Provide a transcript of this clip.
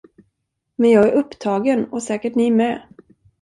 Men jag är upptagen, och säkert ni med.